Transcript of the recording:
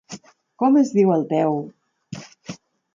Com es diu el teu...?